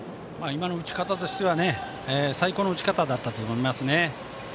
今の打ち方としては最高の打ち方だったと思います。